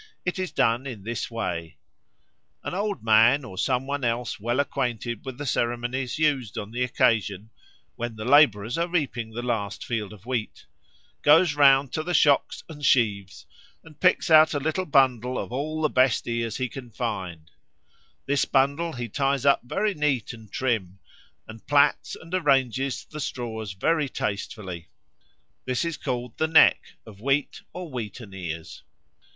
It is done in this way. An old man, or some one else well acquainted with the ceremonies used on the occasion (when the labourers are reaping the last field of wheat), goes round to the shocks and sheaves, and picks out a little bundle of all the best ears he can find; this bundle he ties up very neat and trim, and plats and arranges the straws very tastefully. This is called 'the neck' of wheat, or wheaten ears.